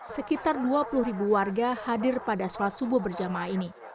sekitar dua puluh ribu warga hadir pada sholat subuh berjamaah ini